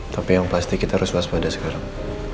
tapi yang pasti kita harus luas pada sekarang